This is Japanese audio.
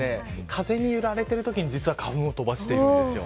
風に揺られているときに実は花粉を飛ばしているんですよ。